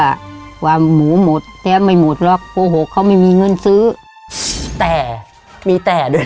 บอกว่าหมูหมากล้าไก่ก็ไม่มี